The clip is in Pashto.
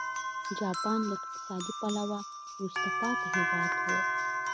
جاپان له اقتصادي پلوه وروسته پاتې هېواد و.